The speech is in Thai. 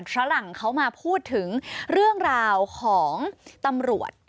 ฝรั่งเขามาพูดถึงเรื่องราวของตำรวจ